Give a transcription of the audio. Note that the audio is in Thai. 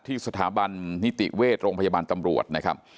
ที่สถาบันนิติเวชโรงพยาบาลตำรวจนะครับ